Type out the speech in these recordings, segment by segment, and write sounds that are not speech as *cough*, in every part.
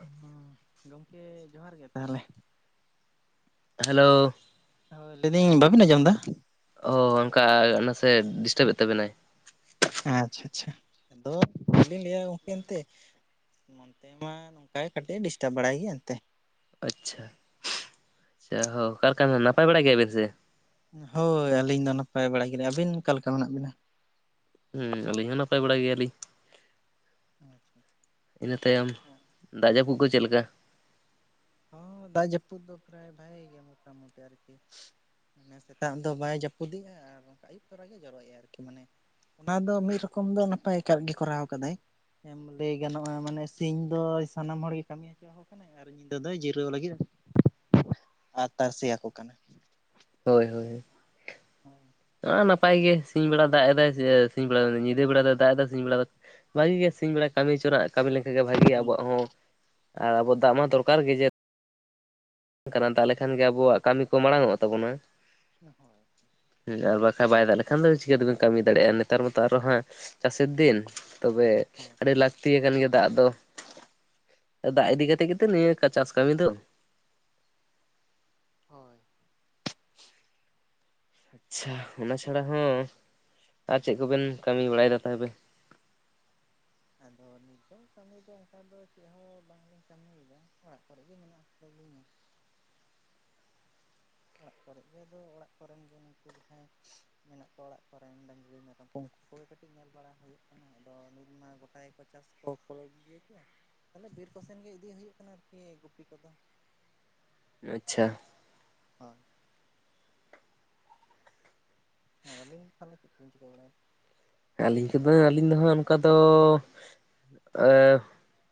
ᱦᱩᱢ ᱜᱚᱢᱠᱮ ᱡᱚᱦᱟᱨ ᱜᱮ ᱛᱟᱦᱞᱮ ᱦᱮᱞᱳ ᱦᱳᱭ ᱞᱟᱹᱭᱫᱟᱹᱧ ᱵᱟᱵᱤᱱ ᱟᱸᱡᱚᱢ ᱮᱫᱟ ᱚ ᱚᱱᱠᱟ ᱱᱟᱥᱮ ᱰᱤᱥᱴᱟᱵᱮᱫ ᱛᱟᱵᱮᱱᱟᱭ ᱟᱪᱷᱟ ᱟᱪᱷᱟ ᱟᱫᱚ ᱪᱮᱫᱞᱤᱧ ᱞᱟᱹᱭᱟ ᱜᱚᱝᱠᱮ ᱮᱱᱛᱮ ᱱᱚᱱᱛᱮ ᱢᱟ ᱱᱚᱝᱠᱟ ᱜᱮ ᱠᱟᱹᱴᱤᱡ ᱰᱤᱥᱴᱟᱵᱽ ᱵᱟᱲᱟᱭ ᱜᱮᱭᱟ ᱮᱱᱛᱮ ᱟᱪᱷᱟ ᱟᱪᱷᱟ ᱦᱚᱸ ᱚᱠᱟᱞᱮᱠᱟ ᱱᱟᱯᱟᱭ ᱵᱟᱲᱟ ᱜᱮᱭᱟᱵᱤᱱ ᱥᱮ ᱦᱳᱭ ᱟᱹᱞᱤᱧ ᱫᱚ ᱱᱟᱯᱟᱭ ᱵᱟᱲᱟᱭ ᱜᱮ ᱟᱹᱵᱤᱱ ᱚᱠᱟᱞᱮᱠᱟ ᱢᱮᱱᱟᱜ ᱵᱤᱱᱟ ᱦᱩᱸ ᱟᱞᱤᱧ ᱦᱚᱸ ᱱᱟᱯᱟᱭ ᱵᱟᱲᱟ ᱜᱮᱭᱟᱞᱤᱧ *inaudible* ᱤᱱᱟᱹᱛᱟᱭᱚᱢ ᱫᱟᱜ ᱡᱟᱯᱩᱜ ᱠᱚ ᱪᱮ ᱞᱮᱠᱟ ᱦᱚᱸ ᱫᱟᱜ ᱡᱟᱹᱯᱩᱜ ᱫᱚ ᱯᱨᱟᱭ ᱵᱷᱟᱜᱤ ᱜᱮ ᱢᱚᱴᱟᱢᱩᱴᱤ ᱾ ᱟᱨᱠᱤ ᱢᱟᱱᱮ ᱥᱮᱛᱟᱜ ᱫᱚ ᱵᱟᱭ ᱡᱟᱹᱯᱩᱫᱮᱜᱼᱟ ᱟᱨ ᱟᱹᱭᱩᱵ ᱛᱚᱨᱟᱜᱮ ᱡᱚᱨᱚᱭᱮᱜᱼᱟ ᱟᱨᱠᱤ ᱢᱟᱱᱮ ᱚᱱᱟ ᱫᱚ ᱢᱤᱫ ᱨᱚᱠᱚᱢ ᱫᱚ ᱱᱟᱯᱟᱭ ᱟᱠᱟᱫ ᱜᱮ ᱠᱚᱨᱟᱣ ᱠᱟᱫᱟᱭ ᱮᱢ ᱞᱟᱹᱭ ᱜᱟᱱᱚᱜᱼᱟ ᱢᱟᱱᱮ ᱥᱤᱧ ᱫᱚ ᱥᱟᱱᱟᱢ ᱦᱚᱲ ᱜᱮ ᱠᱟᱹᱢᱤ ᱚᱪᱚ ᱠᱚ ᱠᱟᱱᱟᱭ ᱟᱨ ᱧᱤ ᱧᱤᱫᱟᱹ ᱫᱚ ᱡᱤᱨᱟᱹᱣ ᱞᱟᱹᱜᱤᱫ ᱟᱨ ᱛᱟᱨᱥᱮ ᱟᱠᱚ ᱠᱟᱱᱟ ᱦᱳᱭ ᱦᱳᱭ *inaudible* ᱟᱻ ᱱᱟᱯᱟᱭ ᱜᱮ ᱥᱤᱧ ᱵᱮᱲᱟ ᱫᱟᱜ ᱮᱫᱟᱭ ᱥᱤᱧ ᱵᱮᱲᱟ ᱧᱤᱫᱟᱹ ᱵᱮᱲᱟ ᱫᱚᱭ ᱫᱟᱜ ᱮᱫᱟᱭ ᱥᱤᱧ ᱵᱮᱲᱟ ᱫᱚ ᱵᱷᱟᱜᱤ ᱜᱮ ᱥᱤᱧ ᱵᱮᱲᱟ ᱠᱟᱹᱢᱤ ᱦᱚᱪᱚ ᱱᱟᱜ ᱠᱟᱹᱢᱤ ᱞᱮᱱᱠᱷᱟᱱ ᱜᱮ ᱵᱷᱟᱜᱮ ᱟᱵᱚᱣᱟᱜ ᱦᱚᱸ ᱟᱨ ᱟᱵᱚᱣᱟᱜ ᱫᱟᱜ ᱢᱟ ᱫᱚᱨᱠᱟᱨ ᱜᱮ ᱡᱮ ᱠᱟᱨᱚᱱ ᱛᱟᱦᱚᱞᱮ ᱠᱷᱟᱱ ᱜᱮ ᱟᱵᱚᱣᱟᱜ ᱠᱟᱹᱢᱤ ᱠᱚ ᱢᱟᱲᱟᱝ ᱚᱜ ᱛᱟᱵᱚᱱᱟ ᱾ *inaudible* ᱦᱩᱸ ᱟᱨ ᱵᱟᱠᱷᱟᱱ ᱵᱟᱭ ᱫᱟᱜ ᱞᱮᱠᱷᱟᱱ ᱫᱚ ᱪᱤᱠᱟᱹ ᱛᱮᱵᱚᱱ ᱠᱟᱹᱢᱤ ᱫᱟᱲᱮᱭᱟᱜᱼᱟ ᱱᱮᱛᱟᱨ ᱢᱟᱛᱚ ᱟᱨᱚ ᱦᱟᱸᱜ ᱪᱟᱥᱮᱨ ᱫᱤᱱ ᱛᱚᱵᱮ *inaudible* ᱞᱟᱹᱠᱛᱤ ᱟᱠᱟᱱ ᱜᱮᱭᱟ ᱫᱟᱜ ᱫᱚ ᱫᱟᱜ ᱤᱫᱤ ᱠᱟᱛᱮ ᱜᱮᱛᱚ ᱱᱤᱭᱟᱹ ᱪᱟᱥ ᱠᱟᱹᱢᱤ ᱫᱚ ᱦᱳᱭ ᱟᱪᱪᱷᱟ ᱚᱱᱟ ᱪᱷᱟᱲᱟ ᱦᱚᱸ ᱟᱨ ᱪᱮᱫ ᱠᱚᱵᱮᱱ ᱠᱟᱹᱢᱤ ᱵᱟᱲᱟᱭᱮᱫᱟ ᱛᱟᱦᱚᱞᱮ ᱟᱫᱚ ᱱᱤᱛᱚᱜ ᱠᱟᱹᱢᱤ ᱫᱚ ᱚᱱᱠᱟ ᱫᱚ ᱪᱮᱫ ᱦᱚᱸ ᱵᱟᱝᱞᱤᱧ ᱠᱟᱹᱢᱤᱭᱮᱫᱟ ᱚᱲᱟᱜ ᱠᱚᱨᱮ ᱜᱮ ᱢᱮᱱᱟᱜ ᱟᱠᱟᱛ ᱞᱤᱧᱟ ᱚᱲᱟᱜ ᱠᱚᱨᱮ ᱜᱮ ᱟᱫᱚ ᱚᱲᱟᱜ ᱠᱚᱨᱮᱱ ᱜᱮ ᱩᱱᱠᱩ ᱡᱟᱦᱟᱸᱭ ᱢᱮᱱᱟᱜ ᱠᱚᱣᱟ ᱚᱲᱟᱜ ᱠᱚᱨᱮᱱ ᱰᱟᱹᱝᱨᱤ ᱢᱮᱨᱚᱢ ᱠᱚ ᱩᱱᱠᱩ ᱠᱚᱜᱮ ᱠᱟᱹᱴᱤᱡ ᱧᱮᱞ ᱵᱟᱲᱟ ᱦᱩᱭᱩᱜ ᱠᱟᱱᱟ ᱟᱫᱚ ᱱᱤᱛ ᱢᱟ ᱜᱚᱴᱟᱭ ᱜᱮᱠᱚ ᱪᱟᱥ ᱠᱚ *inaudible* ᱤᱫᱤᱠᱮᱫ ᱛᱟᱦᱚᱞᱮ ᱵᱤᱨ ᱠᱚᱥᱮᱱ ᱜᱮ ᱤᱫᱤ ᱦᱩᱭᱩᱜ ᱠᱟᱱᱟ ᱟᱨᱠᱤ ᱜᱩᱯᱤ ᱠᱚᱫᱚ ᱟᱪᱪᱷᱟ ᱚᱦ ᱟᱨ *unintelligible* ᱟᱵᱤᱱ ᱫᱚ ᱛᱟᱦᱞᱮ ᱪᱮᱫ ᱠᱚ ᱵᱤᱱ ᱪᱤᱠᱟᱹ ᱵᱟᱲᱟᱭᱮᱫᱟ? ᱟᱹᱞᱤᱧ ᱠᱚᱫᱚ ᱟᱹᱞᱤᱧ ᱫᱚᱦᱟᱸᱜ ᱚᱱᱠᱟ ᱫᱚᱻᱻᱻᱟᱦ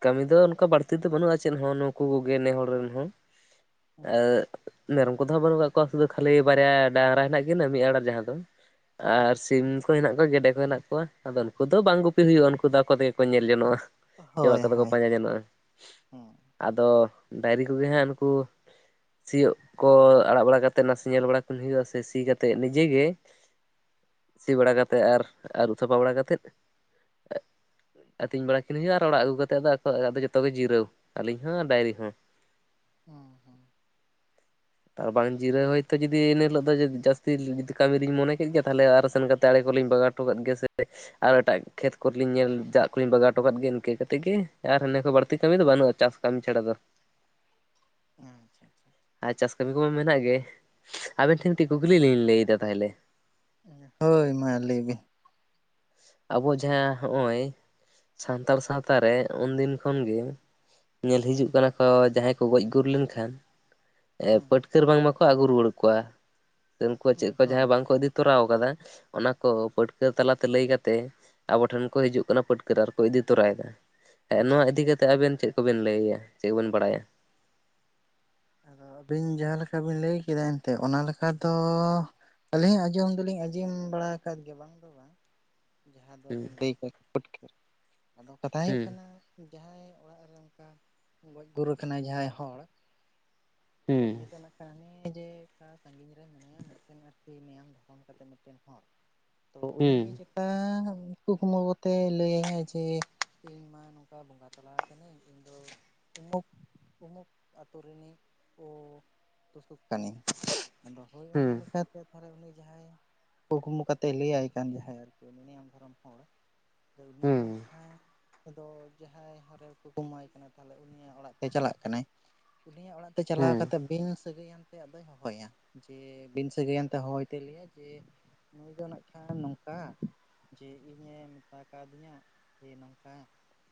ᱠᱟᱹᱢᱤ ᱫᱚ ᱚᱱᱠᱟ ᱵᱟᱹᱲᱛᱤ ᱜᱚ ᱵᱟᱹᱱᱩᱜᱼᱟ ᱪᱮᱫ ᱦᱚᱸ ᱱᱩᱠᱩ ᱠᱚᱜᱮ ᱱᱮ ᱦᱚᱲ ᱨᱮᱱ ᱦᱚᱸ ᱟᱦᱻ ᱟᱪᱪᱷᱟ ᱢᱮᱨᱚᱢ ᱠᱚᱫᱚ ᱦᱟᱸᱜ ᱵᱟᱹᱱᱩᱜ ᱠᱟᱜ ᱠᱚᱣᱟ ᱥᱩᱫᱷᱩ ᱠᱷᱟᱹᱞᱤ ᱵᱟᱨᱭᱟ ᱰᱟᱝᱨᱟ ᱦᱮᱱᱟᱜ ᱠᱤᱱᱟᱹ ᱢᱤᱫ ᱟᱨᱟᱬ ᱡᱟᱦᱟᱸ ᱫᱚ ᱟᱨ ᱥᱤᱢ ᱠᱚ ᱦᱮᱱᱟᱜ ᱠᱚᱣᱟ ᱜᱮᱰᱮ ᱢᱮᱱᱟᱜ ᱠᱚᱣᱟ ᱟᱫᱚ ᱩᱱᱠᱩ ᱫᱚ ᱵᱟᱝ ᱜᱩᱯᱤ ᱦᱩᱭᱩᱜ-ᱟ ᱩᱱᱠᱩ ᱫᱚ ᱟᱠᱚ ᱛᱮᱜᱮ ᱠᱚ ᱧᱮᱞ ᱡᱚᱱᱚᱜᱼᱟ ᱡᱚᱢᱟᱜ ᱦᱳᱭ ᱠᱚᱫᱚ ᱠᱚ ᱦᱳᱭ ᱯᱟᱸᱡᱟ ᱜᱟᱱᱚᱜ-ᱟ ᱦᱮᱸ ᱟᱫᱚ ᱰᱟᱝᱨᱤ ᱠᱚᱜᱮ ᱦᱟᱸᱜ ᱱᱩᱠᱩ ᱥᱤᱭᱳᱜ ᱠᱚ ᱟᱲᱟᱜ ᱵᱟᱲᱟ ᱠᱟᱛᱮᱫ ᱱᱟᱥᱮ ᱧᱮᱞ ᱵᱟᱲᱟ ᱠᱚ ᱦᱩᱭᱩᱜ-ᱟ ᱥᱮ ᱥᱤ ᱠᱟᱛᱮᱫ ᱱᱤᱡᱮ ᱜᱮ ᱥᱤ ᱵᱟᱲᱟ ᱠᱟᱛᱮᱫ ᱟᱨ ᱟᱹᱨᱩᱵ ᱥᱟᱯᱷᱟ ᱵᱟᱲᱟ ᱠᱟᱛᱮᱫ ᱟᱹᱛᱤᱧ ᱵᱟᱲᱟ ᱠᱤᱱ ᱦᱩᱭᱩᱜ-ᱟ ᱟᱨ ᱚᱲᱟᱜ ᱟᱹᱜᱩ ᱠᱟᱛᱮᱫ ᱫᱚ ᱟᱠᱚ ᱫᱚ ᱡᱚᱛᱚ ᱜᱮ ᱡᱤᱨᱟᱹᱣ ᱟᱹᱞᱤᱧ ᱦᱚᱸ ᱰᱟᱝᱨᱤ ᱦᱚᱸ *inaudible* ᱦᱩᱸ ᱦᱮᱸ *inaudible* ᱟᱨ ᱵᱟᱝ ᱡᱤᱨᱟᱹᱣ ᱦᱳᱭᱛᱚ ᱡᱩᱫᱤ ᱮᱱ ᱦᱤᱞᱳᱜ ᱫᱚ ᱡᱟᱹᱥᱛᱤ ᱡᱩᱫᱤ ᱠᱟᱹᱢᱤᱨᱤᱧ ᱢᱚᱱᱮ ᱠᱮᱫ ᱜᱮ ᱛᱟᱦᱚᱞᱮ ᱟᱨᱦᱚᱸ ᱥᱮᱱ ᱠᱟᱛᱮ ᱫᱟᱲᱮ ᱠᱚᱞᱤᱧ ᱵᱟᱜᱟᱣ ᱦᱚᱴᱚ ᱠᱟᱫ ᱜᱮᱭᱟ ᱥᱮ ᱟᱨ ᱮᱴᱟᱜ ᱠᱷᱮᱛ ᱠᱚᱨᱮᱞᱤᱧ ᱧᱮᱞ ᱫᱟᱜ ᱠᱚᱞᱤᱧ ᱵᱟᱜᱟᱣ ᱦᱚᱴᱚ ᱠᱟᱜ ᱜᱮᱭᱟ ᱤᱱᱠᱟᱹ ᱠᱟᱛᱮᱫ ᱜᱮ ᱟᱨ ᱮᱱᱟᱹᱠᱷ ᱵᱟᱹᱲᱛᱤ ᱠᱟᱹᱢᱤ ᱫᱚ ᱵᱟᱹᱱᱩᱜ-ᱟ ᱪᱟᱥ ᱠᱟᱹᱢᱤ ᱪᱟᱲᱟ ᱫᱚ ᱟᱪᱷᱟᱷᱟ ᱟᱨ ᱪᱟᱥ ᱠᱟᱹᱢᱤ ᱠᱚᱢᱟ ᱢᱮᱱᱟᱜ ᱜᱮ ᱟᱵᱮᱱ ᱴᱷᱮᱱ ᱛᱤ ᱠᱩᱠᱞᱤ ᱞᱤᱧ ᱞᱟᱹᱭᱫᱟ ᱛᱟᱦᱚᱞᱮ ᱦᱳᱭ ᱢᱟ ᱞᱟᱹᱭ ᱵᱤᱱ ᱟᱵᱚ ᱡᱟᱦᱟᱸ ᱦᱚᱜ-ᱚᱭ ᱥᱟᱱᱛᱟᱲ ᱥᱟᱶᱛᱟᱨᱮ ᱩᱱᱫᱤᱱ ᱠᱷᱚᱱᱜᱮ ᱧᱮᱞ ᱦᱤᱡᱩᱜ ᱠᱟᱱᱟ ᱠᱚ ᱡᱟᱦᱟᱸᱭ ᱠᱚ ᱜᱚᱡᱽ ᱜᱩᱨ ᱞᱮᱱᱠᱷᱟᱱ ᱯᱟᱹᱴᱠᱟᱹᱨ ᱵᱟᱝᱢᱟᱠᱚ ᱟᱹᱜᱩ ᱨᱩᱣᱟᱹᱲ ᱠᱚᱣᱟ ᱥᱮ ᱩᱱᱠᱩᱣᱟᱜ ᱪᱮᱫ ᱠᱚ ᱦᱳᱭ ᱡᱟᱦᱟᱸᱭ ᱵᱟᱝ ᱠᱚ ᱤᱫᱤ ᱛᱚᱨᱟᱣ ᱟᱠᱟᱫᱟ ᱚᱱᱟ ᱠᱚ ᱯᱟᱹᱴᱷᱠᱟᱹ ᱛᱟᱞᱟᱛᱮ ᱞᱟᱹᱭ ᱠᱟᱛᱮ ᱛᱮ ᱟᱵᱚ ᱴᱷᱮᱱ ᱠᱚ ᱦᱤᱡᱩᱜ ᱠᱟᱱᱟ ᱯᱟᱹᱴᱠᱟᱹᱨ ᱟᱨᱠᱚ ᱤᱫᱤ ᱛᱚᱨᱟᱭᱮᱫᱟ ᱦᱮᱸ ᱦᱩᱸ ᱱᱚᱣᱟ ᱦᱩᱸ ᱤᱫᱤ ᱠᱟᱛᱮ ᱛᱮ ᱟᱵᱮᱱ ᱪᱮᱫ ᱠᱚᱵᱮᱱ ᱞᱟᱹᱭᱟ ᱪᱮᱫ ᱠᱚᱵᱮᱱ ᱵᱟᱲᱟᱭᱟ? ᱟᱫᱚ ᱟᱹᱵᱤᱱ ᱡᱟᱦᱟᱸᱞᱮᱠᱟ ᱵᱤᱱ ᱞᱟᱹᱭ ᱠᱮᱫᱟ ᱮᱱᱛᱮᱫ ᱚᱱᱟ ᱞᱮᱠᱟ ᱫᱚ ᱟᱹᱞᱤᱧᱟᱜ ᱟᱸᱡᱚᱢ ᱫᱚᱞᱤᱧ ᱟᱸᱡᱚᱢ ᱵᱟᱲᱟ ᱟᱠᱟᱫ ᱜᱮᱭᱟ ᱵᱟᱝ ᱫᱚ ᱵᱟᱝ *inaudible* ᱡᱟᱦᱟᱸ ᱦᱩᱸ ᱫᱚᱵᱮᱱ ᱞᱟᱹᱭ *inaudible* ᱯᱟᱹᱴᱠᱟᱹᱨ ᱟᱫᱚ ᱠᱟᱛᱷᱟ ᱦᱩᱭᱩᱜ ᱦᱩᱸ ᱠᱟᱱᱟ ᱡᱟᱦᱟᱸᱭ ᱚᱲᱟᱜ ᱨᱮ ᱚᱱᱠᱟ ᱜᱚᱡ ᱜᱩᱨ ᱠᱟᱱᱟᱭ ᱡᱟᱦᱟᱸᱭ ᱦᱚᱲ ᱟᱫᱚ ᱦᱩᱸ ᱩᱱᱤ ᱫᱚ ᱠᱟᱱᱟ ᱱᱮ ᱡᱮ ᱚᱠᱟ ᱥᱟᱺᱜᱤᱧ ᱨᱮ ᱢᱮᱭᱟᱝ ᱫᱚᱯᱚᱢ ᱠᱟᱛᱮ ᱢᱤᱫᱴᱮᱱ ᱦᱚᱲ ᱛᱚ ᱩᱱᱤᱜᱮ ᱟᱸᱻᱻ ᱠᱩᱠᱢᱩ ᱠᱚᱛᱮ ᱞᱟᱹᱭᱟᱹᱧᱟ ᱡᱮ ᱤᱧ ᱢᱟ ᱱᱚᱝᱠᱟ ᱵᱚᱸᱜᱟ ᱛᱟ *unintelligible* ᱯᱩᱢᱩᱯ ᱟᱛᱚ ᱨᱤᱱᱤᱡ *inaudible* ᱦᱚᱭ ᱦᱩᱸ ᱦᱩᱸ ᱚᱱᱟ ᱞᱮᱠᱟᱛᱮ ᱚᱠᱟᱨᱮ ᱩᱱᱤ ᱡᱟᱦᱟᱸᱭ ᱠᱩᱠᱢᱩ ᱠᱟᱛᱮ ᱞᱟᱹᱭᱟᱭ ᱠᱟᱱ ᱡᱟᱦᱟᱸᱭ ᱟᱨᱠᱤ ᱱᱤ ᱱᱤᱭᱚᱢ ᱫᱷᱚᱨᱚᱢ ᱦᱚᱲ ᱟᱫᱚ ᱦᱩᱸ ᱩᱱᱤᱜᱮ ᱱᱟᱜ ᱠᱷᱟᱱ ᱫᱚ ᱡᱟᱦᱟᱸᱭ ᱦᱚᱨ ᱠᱚ ᱠᱚ ᱮᱢᱟᱭ ᱠᱟᱱᱟ ᱛᱟᱦᱚᱞᱮ ᱩᱱᱤᱭᱟᱜ ᱚᱲᱟᱜ ᱛᱮ ᱪᱟᱞᱟᱜ ᱠᱟᱱᱟᱭ ᱩᱱᱤᱭᱟᱜ ᱚᱲᱟᱜ ᱛᱮ ᱪᱟᱞᱟᱣ ᱦᱩᱸ ᱠᱟᱛᱮ ᱵᱤᱱ ᱥᱟᱹᱜᱟᱹᱭ ᱮᱱᱛᱮ ᱟᱫᱚᱭ ᱦᱚᱦᱚᱭᱟ ᱡᱮ ᱵᱤᱱ ᱥᱟᱹᱜᱟᱹᱭ ᱮᱱᱛᱮ ᱦᱚᱦᱚᱭ ᱛᱮ ᱞᱮᱭᱟ ᱡᱮ ᱱᱩᱭ ᱫᱚ ᱱᱟᱜ ᱠᱷᱟᱱ ᱱᱚᱝᱠᱟ ᱡᱮ ᱤᱧᱮ ᱢᱮᱛᱟ ᱠᱟᱫᱤᱧᱟ ᱱᱚᱝᱠᱟ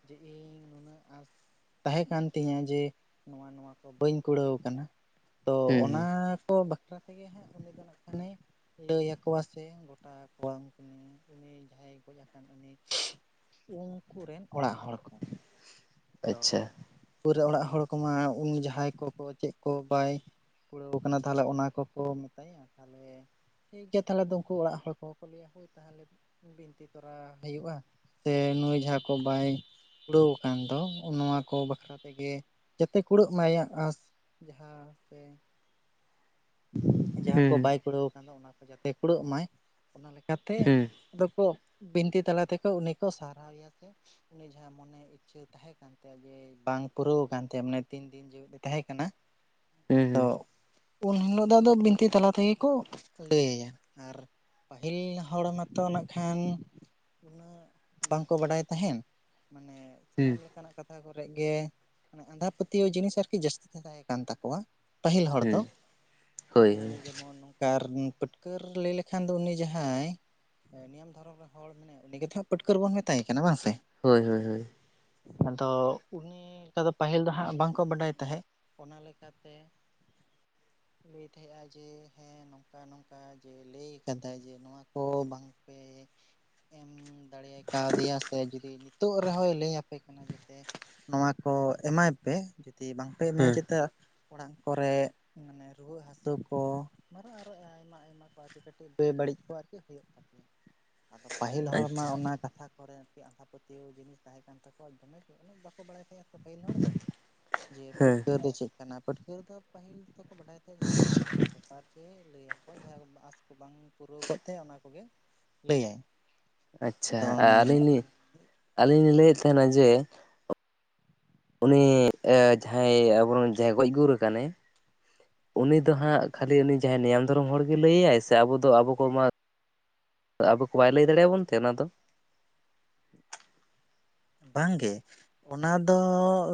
ᱡᱮ ᱤᱧ? ᱱᱩᱱᱟᱹᱜ ᱟᱸᱥ ᱛᱟᱦᱮᱸ ᱠᱟᱱ ᱛᱤᱧᱟᱹ ᱡᱮ ᱱᱚᱣᱟ ᱱᱚᱣᱟ ᱠᱚ ᱵᱟᱹᱧ ᱠᱩᱲᱟᱹᱣ ᱟᱠᱟᱱᱟ ᱛᱚ ᱦᱩᱸ ᱚᱱᱟ ᱦᱩᱸ ᱠᱚ ᱵᱟᱠᱷᱨᱟ ᱛᱮᱜᱮ ᱦᱟᱸᱜ ᱩᱱᱤ ᱫᱚ ᱱᱟᱜ ᱠᱷᱟᱱᱮ ᱞᱟᱹᱭ ᱟᱠᱚᱣᱟ ᱥᱮ ᱜᱚᱴᱟ ᱠᱚᱣᱟᱢ ᱠᱟᱱᱟ᱾ ᱡᱟᱦᱟᱸᱭ ᱜᱚᱡ ᱟᱠᱟᱱ ᱩᱱᱤ ᱩᱱᱠᱩ ᱨᱮᱱ ᱚᱲᱟᱜ ᱦᱚᱲ ᱠᱚ᱾ ᱟᱫᱚ ᱟᱪᱪᱷᱟ ᱯᱩᱨᱟᱹ ᱚᱲᱟᱜ ᱦᱚᱲ ᱠᱚᱢᱟ ᱩᱱ ᱡᱟᱦᱟᱸᱭ ᱠᱚ ᱪᱮᱫ ᱠᱚ ᱵᱟᱭ ᱠᱩᱲᱟᱹᱣ ᱠᱟᱱᱟ ᱛᱟᱦᱚᱞᱮ ᱚᱱᱟ ᱠᱚᱠᱚ ᱢᱮᱛᱟᱭᱟ ᱛᱟᱦᱚᱞᱮ ᱴᱷᱤᱠ ᱜᱮᱭᱟ ᱛᱟᱦᱚᱞᱮ ᱫᱚ ᱩᱱᱠᱩ ᱚᱲᱟᱜ ᱦᱚᱲ ᱠᱚᱦᱚᱸ ᱠᱚ ᱞᱟᱹᱭᱟ ᱦᱳᱭ ᱛᱟᱦᱚᱞᱮ ᱵᱤᱱᱛᱤ ᱛᱚᱨᱟ *unintelligible* ᱦᱩᱭᱩᱜᱼᱟ ᱥᱮ ᱱᱩᱭ ᱡᱟᱦᱟᱸ ᱠᱚ ᱵᱟᱭ ᱠᱩᱲᱟᱹᱣ ᱟᱠᱟᱱ ᱫᱚ ᱱᱚᱣᱟ ᱠᱚ ᱵᱟᱠᱷᱨᱟ ᱛᱮᱜᱮ ᱡᱟᱛᱮ ᱠᱩᱲᱟᱹᱜ ᱢᱟ ᱭᱟᱜ ᱟᱸᱥ ᱡᱟᱦᱟᱸ ᱥᱮ ᱡᱟᱦᱟᱸ ᱠᱚ ᱦᱩᱸ ᱵᱟᱭ ᱠᱩᱲᱟᱹᱣ ᱟᱠᱟᱱ ᱫᱚᱭ ᱚᱱᱟ ᱠᱚ ᱡᱟᱛᱮ ᱠᱩᱲᱟᱹᱜ ᱢᱟᱭ ᱚᱱᱟ ᱞᱮᱠᱟᱛᱮ ᱦᱩᱸ ᱟᱫᱚᱠᱚ ᱵᱤᱱᱛᱤ ᱛᱟᱞᱟ ᱛᱮᱠᱚ ᱩᱱᱤ ᱠᱚ ᱥᱟᱨᱦᱟᱣ ᱮᱭᱟ ᱥᱮ ᱩᱱᱤ ᱡᱟᱦᱟᱸ ᱢᱚᱱᱮ ᱤᱪᱪᱷᱟᱹ ᱛᱟᱦᱮᱸ ᱠᱟᱱ ᱛᱟᱭᱟ ᱡᱮ ᱵᱟᱝ ᱯᱩᱨᱟᱹᱣ ᱠᱟᱱ ᱛᱟᱭᱟ ᱢᱟᱱᱮ ᱛᱤᱱ ᱫᱤᱱ ᱡᱮᱣᱮᱫ ᱮ ᱛᱟᱦᱮᱸ ᱠᱟᱱᱟ ᱦᱩᱸ ᱟᱫᱚ ᱦᱩᱸ ᱩᱱ ᱦᱤᱞᱳᱜ ᱫᱚ ᱟᱫᱚ ᱵᱤᱱᱛᱤ ᱛᱟᱞᱟ ᱛᱮᱜᱮ ᱠᱚ ᱞᱟᱹᱭ ᱟᱭᱟ ᱟᱨ ᱯᱟᱹᱦᱤᱞ *unintelligible* ᱦᱚᱲ ᱢᱟᱛᱚ ᱱᱟᱜ ᱠᱷᱟᱱ ᱩᱱᱟ ᱵᱟᱝᱠᱚ ᱵᱟᱲᱟᱭ ᱛᱟᱦᱮᱱ ᱢᱟᱱᱮ ᱦᱩᱸ ᱥᱟᱱᱟᱢ ᱞᱮᱠᱟᱱᱟᱜ ᱠᱟᱛᱷᱟ ᱠᱚᱨᱮᱜ ᱜᱮ ᱢᱟᱱᱮ ᱟᱸᱫᱷᱟ ᱯᱟᱹᱛᱭᱟᱹᱣ ᱡᱤᱱᱤᱥ ᱟᱨᱠᱤ ᱡᱟᱹᱥᱛᱤ ᱛᱟᱦᱮᱸ ᱠᱟᱱ ᱛᱟᱠᱚᱣᱟ ᱯᱟᱹᱦᱤᱞ ᱦᱚᱲ ᱦᱩᱸ ᱫᱚ ᱦᱳᱭ ᱦᱳᱭ ᱡᱮᱢᱚᱱ ᱱᱚᱝᱠᱟ ᱯᱟᱹᱴᱠᱟᱹᱨ ᱞᱟᱹᱭ ᱞᱮᱠᱷᱟᱱ ᱫᱚ ᱩᱱᱤ ᱡᱟᱦᱟᱸᱭ ᱱ *inaudible* ᱫᱷᱚᱨᱚᱢ ᱨᱮᱱ ᱦᱚᱲ ᱢᱮᱱᱟᱭᱟ ᱩᱱᱤ ᱜᱮᱛᱚ ᱦᱟᱜ ᱯᱟᱹᱴᱠᱟᱹᱨ ᱵᱚᱱ ᱢᱮᱛᱟᱭ ᱠᱟᱱᱟ ᱵᱟᱝ ᱥᱮ ᱦᱳᱭ ᱦᱳᱭ ᱦᱳᱭ ᱟᱫᱚ ᱩᱱᱤ ᱞᱮᱠᱟ ᱫᱚ ᱯᱟᱹᱦᱤᱞ ᱫᱚ ᱦᱟᱸᱜ ᱵᱟᱝ ᱠᱚ ᱵᱟᱰᱟᱭ ᱛᱟᱦᱮᱸᱫ ᱚᱱᱟ ᱞᱮᱠᱟᱛᱮ ᱞᱟᱹᱭ ᱛᱟᱦᱮᱸᱜᱼᱟ ᱡᱮ ᱦᱮᱸ ᱱᱚᱝᱠᱟᱱ ᱱᱚ ᱱᱚᱝᱠᱟ ᱡᱮ ᱞᱟᱹᱭ ᱟᱠᱟᱫᱟᱭ ᱡᱮ ᱱᱚᱣᱟ ᱠᱚ ᱵᱟᱝ ᱯᱮ ᱮᱢ ᱫᱟᱲᱮ ᱠᱟᱣᱫᱮᱭᱟ ᱥᱮ ᱡᱩᱫᱤ ᱱᱤᱛᱚᱜ ᱨᱮᱦᱚᱸᱭ ᱞᱟᱹᱭ ᱟᱯᱮ ᱠᱟᱱᱟ ᱡᱮ ᱱᱚᱣᱟ ᱠᱚ ᱮᱢᱟᱭ ᱯᱮ ᱡᱩᱫᱤ ᱵᱟᱝ ᱯ ᱢᱮ ᱦᱮᱸ *inaudible* ᱪᱮᱫᱟᱜ ᱚᱲᱟᱜ ᱠᱚᱨᱮ ᱢᱟᱱᱮ ᱨᱩᱣᱟᱹ ᱦᱟᱹᱥᱩᱜ ᱩᱛᱩ ᱠᱚ *inaudible* ᱟᱨᱚ *inaudible* ᱟᱨᱚ ᱟᱭᱢᱟ ᱟᱭᱢᱟ ᱠᱚ ᱟᱨᱠᱤ ᱠᱟᱹᱴᱤᱡ ᱵᱮᱵᱟᱹᱲᱤᱡ ᱠᱚᱜᱼᱟ ᱟᱨ ᱪᱮᱫ *inaudible* ᱦᱩᱭᱩᱜ ᱛᱟᱯᱮᱭᱟ ᱟᱫᱚ ᱯᱟᱹᱦᱤᱞ ᱦᱚᱲ ᱟᱪᱪᱷᱟ ᱢᱟ ᱚᱱᱟ ᱠᱟᱛᱷᱟ ᱠᱚᱨᱮ ᱟᱸᱫᱷᱟ ᱯᱟᱹᱛᱭᱟᱹᱣ ᱡᱤᱱᱤᱥ ᱛᱟᱦᱮᱸ ᱠᱟᱱ ᱛᱟᱠᱚᱣᱟ ᱫᱚᱢᱮ *inaudible* ᱚᱱᱮᱠ *inaudible* ᱵᱟᱠᱚ ᱵᱟᱲᱟᱭ ᱛᱟᱦᱮᱸᱼᱟ ᱯᱟᱹᱦᱤᱞ ᱦᱚᱲ ᱫᱚ ᱡᱮ ᱯᱟᱹᱴᱠᱟᱹᱨ ᱫᱚ ᱪᱮᱫ ᱠᱟᱱᱟ ᱯᱟᱹᱴᱠᱟᱹᱨ ᱫᱚ ᱯᱟᱹᱦᱤᱞ ᱫᱚᱠᱚ ᱵᱟᱰᱟᱭ ᱛᱟᱦᱮᱸ ᱵᱮᱯᱟᱨ ᱛᱮ ᱞᱟᱹᱭ ᱟᱠᱚ ᱡᱟᱦᱟᱸ ᱟᱸᱥ ᱠᱚ ᱵᱟᱝ ᱯᱩᱨᱟᱹᱣ ᱠᱚᱜ ᱛᱟᱭᱟ ᱚᱱᱟ ᱠᱚᱜᱮ ᱞᱟᱹᱭᱟᱭ ᱟᱪᱪᱷᱟ ᱟᱫᱚ ᱟᱨ ᱟᱹᱞᱤᱧ ᱟᱹᱞᱤᱧ ᱞᱤᱧ ᱞᱟᱹᱭᱮᱫ ᱛᱟᱦᱮᱱᱟ ᱡᱮ ᱩᱱᱤ ᱡᱟᱦᱟᱸᱭ ᱟᱵᱚᱨᱮᱱ ᱡᱟᱦᱟᱸᱭ ᱜᱚᱡ ᱜᱩᱨ ᱠᱟᱱᱟᱭ ᱩᱱᱤ ᱫᱚ ᱦᱟᱸᱜ ᱠᱷᱟᱹᱞᱤ ᱩᱱᱤ ᱡᱟᱦᱟᱸᱭ ᱱᱤᱭᱟᱢ ᱫᱷᱚᱨᱚᱢ ᱦᱚᱲ ᱜᱮᱭ ᱞᱟᱹᱭᱟᱭ ᱥᱮ ᱟᱵᱚ ᱫᱚ ᱟᱵᱚ ᱠᱚ ᱢᱟ ᱟᱵᱚ ᱠᱚ ᱵᱟᱭ ᱞᱟᱹᱭ ᱫᱟᱲᱮᱭᱟᱵᱚᱱ ᱛᱮ ᱚᱱᱟ ᱫᱚ ᱵᱟᱝ ᱜᱮ ᱚᱱᱟ ᱫᱚ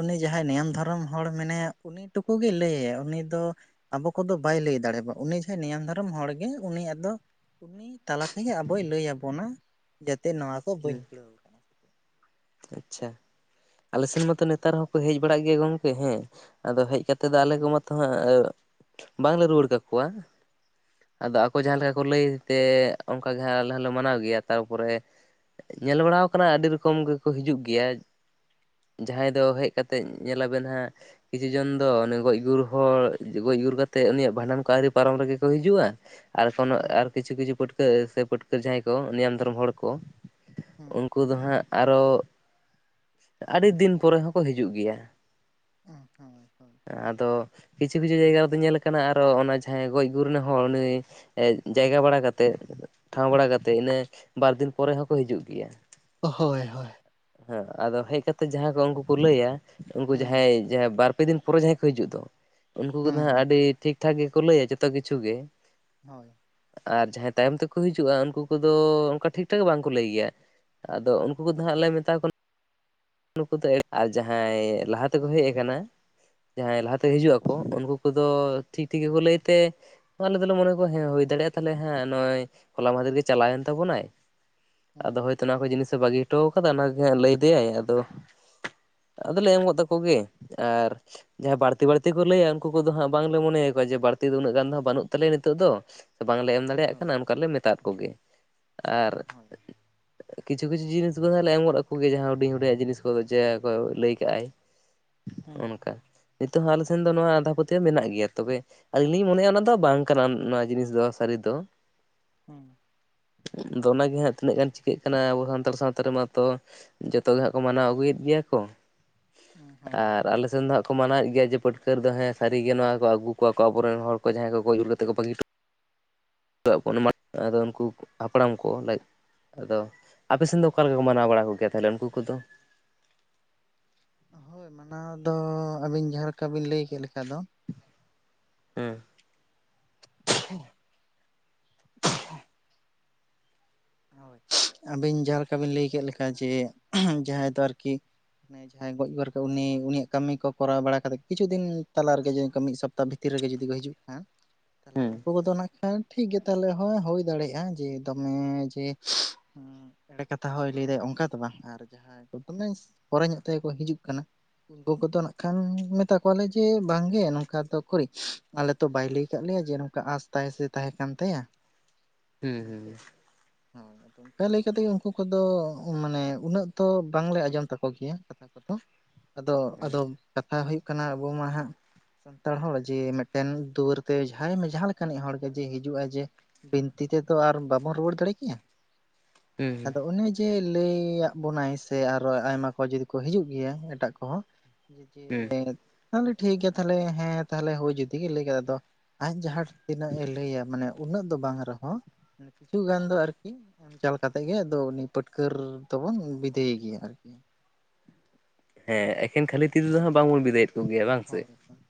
ᱩᱱᱤ ᱡᱟᱦᱟᱸᱭ ᱱᱤᱭᱚᱢ ᱫᱷᱚᱨᱚᱢ ᱦᱚᱲ ᱢᱮᱱᱟᱭᱟ ᱩᱱᱤ ᱴᱩᱠᱩ ᱜᱮ ᱞᱟᱹᱭᱭᱟ ᱩᱱᱤ ᱫᱚ ᱟᱵᱚ ᱠᱚᱫᱚ ᱵᱟᱭ ᱞᱟᱹᱭ ᱫᱟᱲᱮᱭᱟᱵ ᱩᱱᱤ ᱡᱟᱦᱟᱸ ᱱᱤᱭᱚᱢ ᱫᱷᱚᱨᱚᱢ ᱦᱚᱲᱜᱮ ᱩᱱᱤ ᱟᱫᱚ ᱩᱱᱤ ᱛᱟᱞᱟ ᱛᱮᱜᱮ ᱟᱵᱚᱭ ᱞᱟᱹᱭ ᱟᱵᱚᱱᱟ ᱡᱟᱛᱮ ᱱᱚᱣᱟ ᱠᱚ ᱦᱩᱸ ᱵᱟᱹᱧ ᱠᱩᱲᱟᱹ ᱟᱪᱪᱷᱟ ᱟᱞᱮ ᱥᱮᱱ ᱢᱟᱛᱚ ᱱᱮᱛᱟᱨ ᱦᱚᱸᱠᱚ ᱦᱮᱡ ᱵᱟᱲᱟᱜ ᱜᱮᱭᱟ ᱜᱚᱢᱠᱮ ᱦᱮᱸ ᱟᱫᱚ ᱦᱮᱡ ᱠᱟᱛᱮ ᱫᱚ ᱟᱞᱮ ᱦᱩᱸ ᱠᱚ ᱢᱟᱛᱚ ᱦᱟᱸᱜ ᱵᱟᱝᱞᱮ ᱨᱩᱣᱟᱹᱲ ᱠᱟᱜ ᱠᱚᱣᱟ ᱟᱫᱚ ᱟᱠ ᱡᱟᱦᱟᱸ *unintelligible* ᱦᱩᱸ ᱞᱮᱠᱟ ᱠᱚ ᱞᱟᱹᱭ ᱛᱮ ᱚᱱᱠᱟ ᱜᱮ ᱦᱟᱸᱜ ᱟᱞᱮ ᱦᱚᱸᱞᱮ ᱢᱟᱱᱟᱣ ᱜᱮᱭᱟ ᱛᱟᱨᱯᱚᱨᱮ ᱧᱮᱞ ᱵᱟᱲᱟᱟᱣ ᱠᱟᱱᱟ ᱟᱹᱰᱤ ᱨᱚᱠᱚᱢ ᱜᱮ ᱠᱚ ᱦᱤᱡᱩᱜ ᱜᱮᱭᱟ ᱡᱟᱦᱟᱸᱭ ᱫᱚ ᱦᱮᱡ ᱠᱟᱛᱮ ᱧᱮᱞᱟᱵᱤᱱ ᱦᱟᱸᱜ ᱠᱤᱪᱷᱩ ᱡᱚᱱ ᱫᱚ ᱚᱱᱮ ᱜᱚᱡ ᱜᱩᱨ ᱦᱚᱲ ᱜᱚᱡ ᱜᱩᱨ ᱠᱟᱛᱮᱫ ᱩᱱᱤᱭᱟᱜ ᱵᱷᱟᱸᱰᱟᱱ ᱠᱚ ᱟᱹᱣᱨᱤ ᱯᱟᱨᱚᱢ ᱨᱮᱜᱮ ᱠᱚ ᱦᱤᱡᱩᱜᱼᱟ ᱟᱨᱠᱷᱚᱱ ᱟᱨ ᱠᱤᱪᱷᱩ ᱦᱩᱸ ᱠᱤᱪᱷᱩ ᱯᱟᱹᱴᱠᱟᱹ ᱥᱮ ᱯᱟᱹᱴᱠᱟᱹᱨ ᱡᱟᱦᱟᱸᱭ ᱠᱚ ᱱᱤᱭᱟᱢ ᱫᱷᱚᱨᱚᱢ ᱦᱚᱲ ᱠᱚ ᱩᱱᱠᱩ ᱫᱚ ᱦᱟᱸᱜ ᱟᱨᱚ ᱟᱹᱰᱤ ᱫᱤᱱ ᱯᱚᱨᱮ ᱦᱚᱸᱠᱚ ᱦᱤᱡᱩᱜ ᱜᱮᱭᱟ ᱦᱩᱸ ᱦᱩᱸ ᱟᱫᱚ ᱠᱤᱪᱷᱩ ᱠᱤᱪᱷᱩ ᱡᱟᱭᱜᱟ ᱨᱮᱫᱚ ᱧᱮᱞ ᱠᱟᱱᱟ ᱟᱨᱚ ᱚᱱᱟ ᱡᱟᱦᱟᱸᱭ ᱜᱚᱡ ᱜᱩᱨ ᱨᱮᱱ ᱦᱚᱲ ᱩᱱᱤ ᱮ ᱡᱟᱭᱜᱟ ᱵᱟᱲᱟ ᱠᱟᱛᱮᱜ ᱴᱷᱟᱶ ᱵᱟᱲᱟ ᱠᱟᱛᱮᱜ ᱤᱱᱟᱹ ᱵᱟᱨ ᱫᱤᱱ ᱯᱚᱨᱮ ᱦᱚᱸᱠᱚ ᱦᱤᱡᱩᱜ ᱜᱮᱭᱟ ᱦᱳᱭ ᱦᱳᱭ ᱦᱮᱸ ᱟᱫᱚ ᱦᱮᱡ ᱠᱟᱛᱮ ᱡᱟᱦᱟᱸ ᱠᱚ ᱩᱱᱠᱩ ᱠᱚ ᱞᱟᱹᱭᱟ ᱩᱱᱠᱩ ᱦᱩᱸ ᱡᱟᱦᱟᱸᱭ ᱡᱟᱦᱟᱸᱭ ᱵᱟᱨ ᱯᱮ ᱫᱤᱱ ᱯᱚᱨᱮ ᱡᱟᱦᱟᱸᱭ ᱠᱚ ᱦᱤᱡᱩᱜ ᱫᱚ ᱩᱱᱠᱩ ᱠᱚ ᱫᱚ ᱦᱩᱸ ᱦᱟᱸᱜ ᱦᱩᱸ ᱟᱹᱰᱤ ᱴᱷᱤᱠ ᱴᱷᱟᱠ ᱜᱮᱠᱚ ᱞᱟᱹᱭᱟ ᱡᱚᱛᱚ ᱠᱤᱪᱷᱩ ᱜᱮ ᱦᱳᱭ ᱟᱨ ᱡᱟᱦᱟᱸᱭ ᱛᱟᱭᱚᱢ ᱛᱮᱠᱚ ᱦᱤᱡᱩᱜᱼᱟ ᱩᱱᱠᱩ ᱠᱚᱫᱚ ᱚᱱᱠᱟ ᱴᱷᱤᱠ ᱴᱷᱟᱠ ᱵᱟᱝ ᱠᱚ ᱞᱟᱹᱭ ᱜᱮᱭᱟ ᱟᱫᱚ ᱩᱱᱠᱩ ᱠᱚᱫᱚ ᱦᱟᱸᱜ ᱞᱮ ᱢᱮᱛᱟ ᱠᱚ ᱠᱟᱱᱟ ᱱᱩᱠᱩ ᱫᱚ *inaudible* ᱟᱨ ᱡᱟᱦᱟᱸᱭ ᱞᱟᱦᱟ ᱛᱮᱠᱚ ᱦᱩᱸ ᱦᱮᱡ ᱦᱩᱸ ᱟᱠᱟᱱᱟ ᱡᱟᱦᱟᱸᱭ ᱛᱮ ᱦᱤᱡᱩᱜ ᱟᱠᱚ ᱩᱱᱠᱩ ᱠᱚᱫᱚ ᱴᱷᱤᱠ ᱴᱷᱤᱠ ᱜᱮᱠᱚ ᱞᱟᱹᱭ ᱛᱮ ᱟᱞᱮ ᱫᱚᱞᱮ ᱢᱚᱱᱮ ᱠᱚᱣᱟ ᱦᱮᱸ ᱦᱩᱭ ᱫᱟᱲᱮᱭᱟᱜᱼᱟ ᱛᱟᱞᱦᱮ ᱦᱮᱸ ᱱᱚᱜ-ᱚᱭ ᱦᱚᱞᱟ ᱢᱟᱫᱷᱮᱨ ᱜᱮ ᱪᱟᱞᱟᱣᱮᱱ ᱛᱟᱵᱚᱱᱟᱭ ᱦᱩᱸ ᱟᱫᱚ ᱦᱚᱳᱭᱛᱳ ᱱᱚᱣᱟ ᱠᱚ ᱡᱤᱱᱤᱥᱮ ᱵᱟᱹᱜᱤ ᱦᱚᱴᱚ ᱠᱟᱣᱫᱮᱭᱟ ᱚᱱᱟᱜᱮ ᱦᱟᱸᱜ ᱞᱟᱹᱭ ᱟᱫᱮᱭᱟᱭ ᱟᱫᱚ ᱟᱫᱚᱞᱮ ᱮᱢ ᱜᱚᱫ ᱟᱠᱚᱜᱮ ᱟᱨ ᱡᱟᱦᱟᱸᱭ ᱵᱟᱹᱲᱛᱤ ᱵᱟᱹᱲᱛᱤ ᱠᱚ ᱞᱟᱹᱭᱟ ᱩᱱᱠᱩ ᱠᱚᱫᱚ ᱦᱟᱸᱜ ᱵᱟᱝᱞᱮ ᱢᱚᱱᱮᱭᱟᱠᱚᱣᱟ ᱡᱮ ᱵᱟᱹᱲᱛᱤ ᱫᱚ ᱩᱱᱟᱹᱜ ᱜᱟᱱ ᱫᱚ ᱵᱟᱹᱱᱩᱜ ᱛᱟᱞᱮᱭᱟ ᱱᱤᱛᱚᱜ ᱫᱚ ᱥᱮ ᱵᱟᱝᱞᱮ ᱮᱢ ᱦᱩᱸ ᱫᱟᱲᱮᱭᱟᱜ ᱦᱳᱭ ᱠᱟᱱᱟ ᱚᱱᱠᱟ ᱦᱳᱭ ᱞᱮ ᱢᱮᱛᱟᱫ ᱠᱚᱜᱮ ᱟᱨ ᱦᱳᱭ ᱠᱤᱪᱷᱩ ᱠᱤᱪᱷᱩ ᱡᱤᱱᱤᱥ ᱠᱚᱫᱚᱞᱮ ᱮᱢ ᱜᱚᱫ ᱟᱠᱚᱜᱮ ᱡᱟᱦᱟᱸ ᱦᱩᱰᱤᱧ ᱦᱩᱰᱤᱧᱟᱜ ᱡᱤᱱᱤᱥ ᱠᱚᱫᱚ ᱡᱟᱦᱟᱸ ᱠᱚ ᱞᱟᱹᱭ ᱠᱟᱜᱼᱟᱭ ᱦᱩᱸ ᱱᱚ-ᱚ ᱱᱚᱝᱠᱟ ᱱᱤᱛᱚᱜ ᱦᱚᱸ ᱟᱞᱮ ᱥᱮᱱ ᱫᱚ ᱱᱚᱣᱟ ᱟᱸᱫᱷᱟ ᱯᱟᱹᱛᱭᱟᱹᱣ ᱢᱮᱱᱟᱜ ᱜᱮᱭᱟ ᱛᱚᱵᱮ ᱟᱹᱞᱤᱧ ᱞᱤᱧ ᱢᱚᱱᱮᱭᱫ-ᱟ ᱚᱱᱟ ᱫᱚ ᱵᱟᱝ ᱠᱟᱱᱟ ᱱᱚᱣᱟ ᱡᱤᱱᱤᱥ ᱫᱚ ᱥᱟᱹᱨᱤ ᱫᱚ ᱦᱩᱸ ᱫᱚ ᱚᱱᱟᱜᱮ ᱦᱟᱸᱜ ᱛᱤᱱᱟᱹᱜ ᱜᱟᱱ ᱪᱤᱠᱟᱹᱜ ᱠᱟᱱᱟ ᱟᱵᱚ ᱥᱟᱱᱛᱟᱲ ᱥᱟᱶᱛᱟ ᱨᱮᱢᱟᱛᱚ ᱡᱚᱛ ᱡᱚᱛᱚ ᱜᱮ ᱦᱟᱸᱜ ᱠᱚ ᱢᱟᱱᱟᱣ ᱟᱹᱜᱩᱭᱮᱫ ᱜᱮᱭᱟ ᱠᱚ ᱦᱳᱭ ᱟᱨ ᱟᱨ ᱟᱞᱮᱥᱮᱱ ᱫᱚ ᱦᱟᱸᱜ ᱠᱚ ᱢᱟᱱᱟᱣᱮᱫ ᱜᱮᱭᱟ ᱡᱮ ᱯᱟᱹᱴᱠᱟᱹᱨ ᱫᱚ ᱦᱮᱸ ᱥᱟᱹᱨᱤᱜᱮ ᱱᱚᱣᱟ ᱠᱚ ᱟᱹᱜᱩ ᱠᱚᱣᱟ ᱠᱚ ᱟᱵᱚᱨᱮᱱ ᱦᱚᱲ ᱠᱚ ᱡᱟᱦᱟᱸᱭ ᱠᱚ ᱜᱚᱡ ᱜᱩᱨ ᱠᱟᱛᱮ ᱠᱚ ᱵᱟᱹᱜᱤᱴᱚᱜᱣᱟ *inaudible* *inaudible* ᱟᱫᱚ ᱩᱱᱠᱩ ᱦᱟᱯᱲᱟᱢ ᱠᱚ ᱞᱟ *inaudible* ᱟᱫᱚ ᱟᱯᱮ ᱥᱮᱱ ᱫᱚ ᱚᱠᱟ ᱞᱮᱠᱟ ᱠᱚ ᱢᱟᱱᱟᱣ ᱵᱟᱲᱟ ᱠᱚ ᱜᱮᱭᱟ ᱛᱟᱦᱚᱞᱮ ᱩᱱᱠᱩ ᱠᱚᱫᱚ ᱦᱳᱭ ᱢᱟᱱᱟᱣ ᱫᱚ ᱟᱹᱵᱤᱱ ᱡᱟᱦᱟᱸ ᱞᱮᱠᱟ ᱵᱤᱱ ᱞᱟᱹᱭ ᱠᱮᱫ ᱞᱮᱠᱟ ᱫᱚ ᱦᱮᱸ *unintelligible* ᱦᱳᱭ ᱟᱹᱵᱤᱱ ᱡᱟᱦᱟᱸ ᱞᱮᱠᱟ ᱵᱤᱱ ᱞᱟᱹᱭ ᱠᱮᱫ ᱞᱮᱠᱟ ᱡᱮ ᱡᱟᱦᱟᱸᱭ ᱫᱚ ᱟᱨᱠᱤ ᱢᱟᱱᱮ ᱡᱟᱦᱟᱸᱭ ᱜᱚᱡ ᱜᱩᱨ ᱠᱟᱜ ᱩᱱᱤ ᱩᱱᱤᱭᱟᱜ ᱠᱟᱹᱢᱤ ᱠᱚᱨᱟᱣ ᱵᱟᱲᱟ ᱠᱟᱛᱮ ᱠᱤᱪᱷᱩ ᱫᱤᱱ ᱛᱟᱞᱟ ᱨᱮᱜᱮ ᱡᱮ ᱢᱤᱫ ᱥᱚᱯ ᱛᱟ ᱵᱷᱤᱛᱤᱨ ᱨᱮᱜᱮ ᱡᱩᱫᱤ ᱠᱚ ᱦᱤᱡᱩᱜ ᱠᱷᱟᱱ ᱛᱟᱞᱦᱮ ᱦᱩᱸ ᱩᱱᱠᱩ ᱠᱚᱫᱚ ᱱᱟᱜ ᱠᱷᱟᱱ ᱴᱷᱤᱠᱜᱮ ᱛᱟᱦᱞᱮ ᱦᱚᱸ ᱦᱩᱭ ᱫᱟᱲᱮᱭᱟᱜᱼᱟ ᱡᱮ ᱫᱚᱢᱮ *unintelligible* ᱮᱲᱮ ᱠᱟᱛᱷᱟ ᱦᱚᱸᱭ ᱞᱟᱹᱭ ᱫᱟᱭ ᱚᱝᱠᱟ ᱫᱚ ᱵᱟᱝ ᱟᱨ ᱡᱟᱦᱟᱸᱭ *unintelligible* ᱯᱚᱨᱮ ᱧᱚᱜ ᱛᱮᱠᱚ ᱦᱤᱡᱩᱜ ᱠᱟᱱᱟ ᱩᱱᱠᱩ ᱠᱚᱫᱚ ᱱᱟᱜ ᱠᱷᱟᱱ ᱢᱮᱛᱟ ᱠᱚᱣᱟᱞᱮ ᱡᱮ ᱵᱟᱝᱜᱮ ᱚᱱᱠᱟ ᱫᱚ ᱩᱠᱩᱨᱤᱡ ᱟᱞᱮ ᱛᱚ ᱵᱟᱭ ᱞᱟᱹᱭ ᱠᱟᱫ ᱞᱮᱭᱟ ᱡᱮ ᱱᱚᱝᱠᱟ ᱟᱥ ᱛᱟᱭ ᱥᱮ ᱛᱟᱦᱮᱸ ᱠᱟᱱ ᱛᱟᱭᱟ ᱦᱩᱸ ᱦᱩᱸ ᱢᱮᱱᱛᱮ ᱦᱩᱸ ᱦᱳᱭ ᱟᱫᱚ ᱚᱱᱠᱟ ᱞᱟᱹᱭ ᱠᱟᱛᱮᱜ ᱩᱱᱠᱩ ᱠᱚᱫᱚ ᱢᱟᱱᱮ ᱩᱱᱟᱹᱜ ᱛᱚ ᱵᱟᱝᱞᱮ ᱟᱸᱡᱚᱢ ᱛᱟᱠᱚ ᱜᱮᱭᱟ ᱠᱟᱛᱷᱟ ᱠᱚᱫᱚ ᱟᱫᱚ ᱟᱫᱚ ᱠᱟᱛᱷᱟ ᱦᱩᱭᱩᱜ ᱠᱟᱱᱟ ᱟᱵᱚ ᱢᱟ ᱦᱟᱸᱜ ᱥᱟᱱᱛᱟᱲ ᱦᱚᱲ ᱡᱮ ᱢᱤᱫᱴᱮᱱ ᱫᱩᱣᱟᱹᱨ ᱛᱮ ᱡᱟᱦᱟᱸᱭ ᱡᱟᱦᱟᱸ ᱞᱮᱠᱟᱱᱤᱡ ᱦᱚᱲᱜᱮ ᱡᱮ ᱦᱤᱡᱩᱜᱼᱟᱭ ᱡᱮ ᱵᱤᱱᱛᱤ ᱛᱮᱫᱚ ᱟᱨ ᱵᱟᱵᱚᱱ ᱨᱩᱣᱟᱹᱲ ᱫᱟᱲᱮ ᱠᱮᱭᱟ ᱦᱩᱸ ᱟᱫᱚ ᱚᱱᱮ ᱡᱮ ᱞᱟᱹᱭᱟᱜ ᱵᱚᱱᱟᱭ ᱥᱮ ᱟᱨᱚ ᱟᱭᱢᱟ ᱠᱚ ᱡᱚᱫᱤ ᱠᱚ ᱦᱤᱡᱩᱜ ᱜᱮᱭᱟ ᱮᱴᱟᱜ ᱠᱚᱦᱚᱸ ᱡᱮ ᱦᱩᱸ ᱛᱟᱞᱦᱮ ᱴᱷᱤᱠ ᱜᱮᱭᱟ ᱛᱟᱦᱞᱮ ᱦᱮᱸ ᱛᱟᱦᱞᱮ ᱦᱳᱭ ᱡᱩᱫᱤ ᱜᱮ ᱞᱟᱹᱭ ᱠᱮᱫ ᱟᱫᱚ ᱟᱡ ᱡᱟᱦᱟᱸ ᱛᱤᱱᱟᱹᱜ-ᱮ ᱞᱟᱹᱭᱟ ᱢᱟᱱᱮ ᱩᱱᱟᱹᱜ ᱫᱚ ᱵᱟᱝ ᱨᱮᱦᱚᱸ ᱠᱤᱪᱷᱩ ᱜᱟᱱ ᱫᱚ ᱟᱨᱠᱤ *unintelligible* ᱮᱢ ᱪᱟᱞ ᱠᱟᱛᱮᱫ ᱜᱮ ᱟᱫᱚ ᱩᱱᱤ ᱯᱟᱹᱴᱠᱟᱹᱨ ᱫᱚᱵᱚᱱ ᱵᱤᱫᱟᱹᱭᱮ ᱜᱮᱭᱟ ᱟᱨᱠᱤ ᱦᱮᱸ ᱮᱠᱷᱮᱱ ᱠᱷᱟᱹᱞᱤ ᱛᱤ ᱛᱮᱫᱚ ᱦᱟᱸᱜ ᱵᱟᱝᱵᱚᱱ ᱵᱤᱫᱟᱹᱭᱮᱫ ᱠᱚᱜᱮᱭᱟ ᱵᱟᱝ ᱥᱮ ᱦᱳᱭ ᱚᱝᱠᱟ,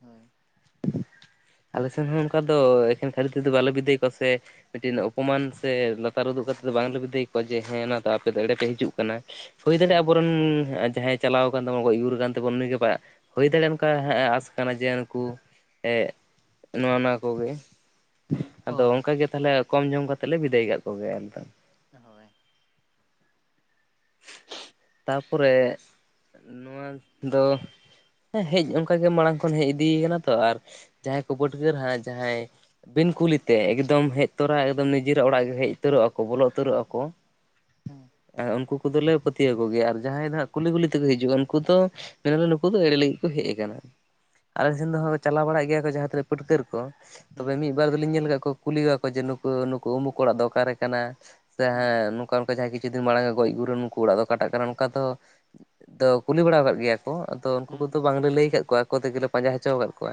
ᱦᱳᱭ *inaudible* ᱟᱞᱮ ᱥᱮᱱ ᱦᱚᱸ ᱚᱱᱠᱟ ᱫᱚ ᱮᱠᱷᱮᱱ ᱠᱷᱟᱹᱞᱤ ᱛᱤ ᱛᱮᱫᱚ ᱵᱟᱞᱮ ᱵᱤᱫᱟᱹᱭ ᱠᱚᱣᱟ ᱥᱮ ᱢᱤᱫᱴᱮᱱ ᱚᱯᱚᱢᱟᱱ ᱥᱮ ᱞᱟᱛᱟᱨ ᱩᱫᱩᱜ ᱠᱟᱛᱮᱫ ᱦᱳᱭ ᱫᱚ ᱵᱟᱝᱞᱮ ᱵᱤᱫᱟᱹᱭ ᱠᱚᱣᱟ ᱡᱮ ᱦᱮᱸ ᱚᱱᱟ ᱫᱚ ᱟᱯᱮ ᱫᱚ ᱮᱲᱮ ᱯᱮ ᱦᱤᱡᱩᱜ ᱠᱟᱱᱟ᱾ ᱦᱩᱭ ᱫᱟᱲᱮᱜᱭᱟᱜᱼᱟ ᱦᱩᱸ ᱟᱵᱚᱨᱮᱱ ᱡᱟᱦᱟᱸᱭ ᱪᱟᱞᱟᱣ ᱠᱟᱱ ᱛᱟᱵᱚᱱᱟ ᱜᱟᱡ ᱜᱩᱨ ᱟᱠᱟᱱ ᱛᱟᱵᱚᱱᱟ ᱱᱩᱭ ᱜᱮ *unintelligible* ᱦᱩᱭ ᱫᱟᱲᱮᱭᱟᱜ ᱚᱱᱠᱟᱱ ᱟᱸᱥ ᱠᱟᱱᱟ ᱡᱮ ᱱᱩᱠᱩ ᱮᱸᱜ ᱱᱚᱜ-ᱚ ᱱᱚᱣᱟ ᱠᱚᱜᱮ ᱟᱫᱚ ᱦᱳᱭ ᱚᱱᱠᱟ ᱜᱮ ᱛᱟᱞᱦᱮ ᱠᱚᱢ ᱡᱚᱢ ᱠᱟᱛᱮᱫ ᱞᱮ ᱵᱤᱫᱟᱹᱭ ᱠᱟᱫ ᱠᱚᱜᱮᱭᱟ ᱟᱞᱮ ᱫᱚ ᱦᱳᱭ ᱛᱟᱯᱚᱨᱮ ᱱᱚᱣᱟ ᱫᱚ ᱦᱮᱡ ᱚᱱᱠᱟ ᱜᱮ ᱢᱟᱲᱟᱝ ᱠᱷᱚᱱ ᱦᱮᱡ ᱤᱫᱤᱭ ᱠᱟᱱᱟ ᱛᱚ ᱟᱨ ᱡᱟᱦᱟᱸᱭ ᱠᱚ ᱯᱟᱹᱴᱠᱟᱹᱨ ᱦᱟᱸᱜ ᱡᱟᱦᱟᱸᱭ ᱵᱤᱱ ᱠᱩᱞᱤᱛᱮ ᱮᱠᱫᱚᱢ ᱦᱮᱡ ᱛᱚᱨᱟ ᱮᱠᱫᱚᱢ ᱱᱤᱡᱮᱨᱟᱜ ᱚᱲᱟᱜ ᱜᱮ ᱦᱮᱡ ᱩᱛᱟᱹᱨᱚᱜ-ᱟᱠᱚ ᱵᱚᱞᱚ ᱩᱛᱟᱹᱨᱚᱜᱼᱟᱠᱚ *inaudible* ᱦᱩᱸ ᱮᱸ ᱩᱱᱠᱩ ᱠᱚᱫᱚᱞᱮ ᱯᱟᱹᱛᱭᱟᱹᱣ ᱠᱚᱜᱮᱭᱟ ᱟᱨ ᱡᱟᱦᱟᱸᱭ ᱫᱚᱟᱸᱜ ᱠᱩᱞᱤ ᱜᱩᱞᱤ ᱛᱮᱠᱚ ᱦᱤᱡᱩᱜᱼᱟ᱾ ᱩᱱᱠᱩ ᱫᱚ ᱢᱮᱱᱟᱞᱮ ᱱᱩᱠᱩ ᱫᱚ ᱮᱲᱮ ᱞᱟᱹᱜᱤᱫ ᱠᱚ ᱦᱮᱡ ᱟᱠᱟᱱᱟ᱾ ᱟᱞᱮ ᱦᱩᱸ ᱥᱮᱱ ᱫᱚ ᱦᱚᱸ ᱦᱳᱭ ᱪᱟᱞᱟᱣ ᱵᱟᱲᱟᱜ ᱜᱮᱭᱟ ᱠᱚ ᱡ ᱡᱟᱦᱟᱸ ᱛᱤᱱᱟᱹᱜ ᱯᱟᱹᱴᱠᱟᱹᱨ ᱠᱚ ᱦᱩᱸ ᱛᱚᱵᱮ ᱢᱤᱫ ᱟᱨ ᱫᱚᱞᱤᱧ ᱧᱮᱞ ᱟᱠᱟᱫ ᱠᱚᱣᱟ ᱠᱩᱞᱤᱣᱟᱠᱚ ᱡᱮ ᱱᱩᱠᱩ ᱱᱩᱠᱩ ᱱᱩᱠᱩ ᱚᱲᱟᱜ ᱫᱚ ᱚᱠᱟᱨᱮ ᱠᱟᱱᱟ ᱥᱮ ᱦᱩᱸ ᱦᱮᱸ ᱚᱱᱠᱟᱱᱠᱟ ᱡᱟᱦᱟᱸᱭ ᱠᱤᱪᱷᱩ ᱫᱤᱱ ᱢᱟᱲᱟᱝᱮ ᱜᱚᱡ ᱜᱩᱨᱮᱱ ᱱᱩᱠᱩ ᱚᱲᱟᱜ ᱫᱚ ᱠᱟᱴᱟᱜ ᱠᱟᱱᱟ ᱚᱱᱠᱟ ᱫᱚ ᱠᱩᱞᱤ ᱵᱟᱲᱟ ᱟᱠᱟᱫ ᱜᱮᱭᱟ ᱟᱫᱚ ᱩᱱᱠᱩ ᱦᱩᱸ ᱠᱚᱫᱚ ᱵᱟᱝᱞᱮ ᱞᱟᱹᱭ ᱟᱠᱟᱫ ᱠᱚᱣᱟ ᱟᱠᱚ ᱛᱮᱜᱮᱞᱮ ᱯᱟᱸᱡᱟ ᱦᱚᱪᱚ ᱟᱠᱟᱫ ᱠᱚᱣᱟ᱾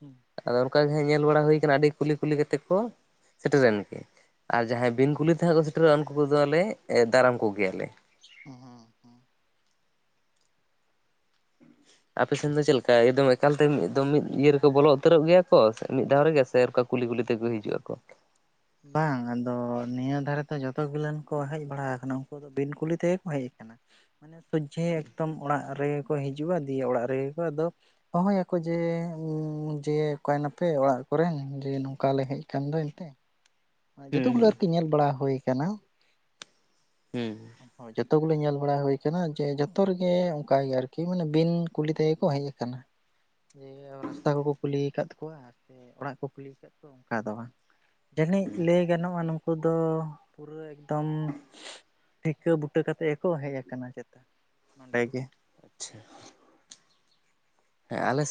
ᱦᱮᱸ ᱟᱫᱚ ᱚᱱᱠᱟᱜ ᱜᱮ ᱦᱟᱸᱜ ᱧᱮᱞ ᱵᱟᱲᱟ ᱦᱩᱭ ᱠᱟᱱᱟ ᱟᱹᱰᱤ ᱠᱩᱞᱤ ᱠᱩᱞᱤ ᱠᱟᱛᱮᱫ ᱠᱚ ᱥᱮᱴᱮᱨᱮᱱ ᱜᱮ ᱟᱨ ᱡᱟᱦᱟᱸᱭ ᱵᱤᱱ ᱠᱩᱞᱤ ᱛᱮ ᱦᱟᱸᱜ ᱠᱚ ᱥᱮᱴᱮᱨᱚᱜᱼᱟ ᱩᱱᱠᱩ ᱠᱚᱫᱚᱞᱮ ᱫᱟᱨᱟᱢ ᱠᱚᱜᱮᱭᱟᱞᱮ ᱦᱩᱸ ᱦᱩ ᱟᱯᱮᱥᱮᱱ ᱫᱚ ᱪᱮᱫ ᱞᱮᱠᱟ ᱮᱠᱫᱚᱢ ᱮᱠᱟᱞᱛᱮᱚᱢ ᱢᱤᱫ ᱤᱭᱟᱹ ᱨᱮᱠᱚ ᱵᱚᱞᱚ ᱩᱛᱟᱹᱨᱚᱜ ᱜᱮᱭᱟ ᱠᱚ ᱢᱤᱫ ᱫᱷᱟᱣ ᱨᱮᱜᱮ ᱥᱮ ᱠᱩᱞᱤ ᱠᱩᱞᱤ ᱛᱮᱠᱚᱮ ᱦᱤᱡᱩᱜᱼᱟ ᱠᱚ ᱵᱟᱝ ᱟᱫᱚ ᱱᱤᱭᱟᱹ ᱫᱷᱟᱨᱮᱛᱮ ᱡᱚᱛᱚ ᱜᱮᱞᱟᱹᱱ ᱠᱚ ᱦᱮᱡ ᱵᱟᱲᱟ ᱟᱠᱟᱱᱟ ᱩᱱᱠᱩ ᱫᱚ ᱵᱤᱱ ᱠᱩᱞᱤ ᱛᱮᱜᱮ ᱠᱚ ᱦᱮᱡ ᱟᱠᱟᱱᱟ᱾ ᱢᱟᱱᱮ ᱥᱚᱡᱡᱷᱮ ᱮᱠᱫᱚᱢ ᱚᱲᱟᱜ ᱨᱮᱜᱮ ᱠᱚ ᱦᱤᱡᱩᱜᱼᱟ ᱫᱤᱭᱮ ᱚᱲᱟᱜ ᱨᱮᱜᱮ ᱠᱚ ᱟᱫᱚ ᱦᱚᱦᱚᱭᱟᱠᱚ ᱡᱮ ᱡᱮ ᱚᱠᱚᱭᱱᱟᱯᱮ ᱚᱲᱟᱜ ᱠᱚᱨᱮᱱ ᱡᱮ ᱱᱚᱝᱠᱟ ᱞᱮ ᱦᱮᱡ ᱟᱠᱟᱱ ᱫᱚ ᱮᱱᱛᱮᱫ ᱡᱚᱛᱚ ᱦᱩᱸ ᱜᱩᱞᱟᱹ ᱦᱩᱸ ᱟᱨᱠᱤ ᱧᱮᱞ ᱵᱟᱲᱟ ᱦᱩ ᱟᱠᱟᱱᱟ᱾ ᱦᱮᱸ ᱦᱚᱭ ᱡᱚᱛᱚ ᱜᱮᱩᱞᱮ ᱧᱮᱞ ᱵᱟᱲᱟ ᱦᱩᱭ ᱟᱠᱟᱱᱟ ᱡᱮ ᱡᱚᱛᱚ ᱨᱮᱜᱮ ᱚᱱᱠᱟ ᱜᱮ ᱟᱨᱠᱤ ᱢᱟᱱᱮ ᱵᱤᱱ ᱠᱩᱞᱤ ᱛᱮᱜᱮ ᱠᱚ ᱦᱮᱡ ᱟᱠᱟᱱᱟ᱾ ᱡᱮ ᱨᱟᱥᱛᱟ ᱠᱚᱠᱚ ᱠᱩᱞᱤ ᱟᱠᱟᱫ ᱠᱚᱣᱟ ᱥᱮ ᱚᱲᱟᱜ ᱠᱚ ᱠᱩᱞᱤ ᱟᱠᱟᱫ ᱠᱚᱣᱟ ᱚᱱᱠᱟ ᱫᱚ ᱵᱟᱝ ᱡᱟᱹᱱᱤᱡ ᱞᱟᱹᱭ ᱜᱟᱱᱚᱜᱼᱟ ᱱᱩᱝᱠᱩ ᱫᱚ ᱯᱩᱨᱟᱹ ᱮᱠᱫᱚᱢ ᱴᱷᱤᱠᱟᱹ ᱵᱩᱴᱟᱹ ᱠᱟᱛᱮᱫ ᱜᱮᱠᱚ ᱦᱮᱡ ᱟᱠᱟᱱᱟ ᱪᱮᱛᱟ ᱱᱚᱸᱰᱮ ᱜᱮ ᱟᱪᱪᱷᱟ ᱦᱮᱸ ᱟᱞᱮᱥᱮᱫ